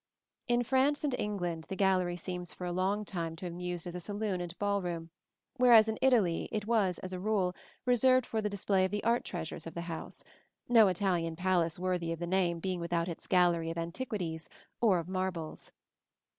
In France and England the gallery seems for a long time to have been used as a saloon and ball room, whereas in Italy it was, as a rule, reserved for the display of the art treasures of the house, no Italian palace worthy of the name being without its gallery of antiquities or of marbles.